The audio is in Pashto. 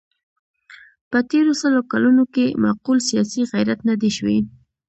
په تېرو سلو کلونو کې معقول سیاسي غیرت نه دی شوی.